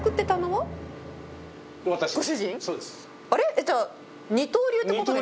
じゃあ、二刀流ってことです